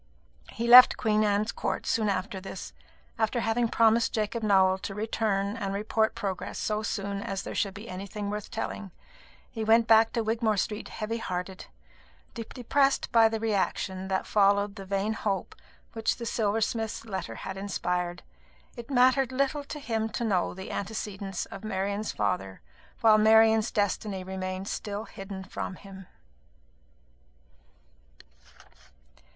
He left Queen Anne's Court soon after this, after having promised Jacob Nowell to return and report progress so soon as there should be anything worth telling. He went back to Wigmore Street heavy hearted, depressed by the reaction that followed the vain hope which the silversmith's letter had inspired. It mattered little to him to know the antecedents of Marian's father, while Marian's destiny remained still hidden from him.